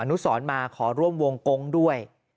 นุสรมาขอร่วมวงกงด้วย